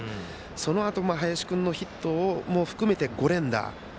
そのあと、林君のヒットも含めて５連打。